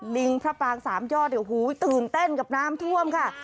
ลิงพระปรางสามยอดเนี่ยโอ้โหตื่นเต้นกับน้ำท่วมค่ะ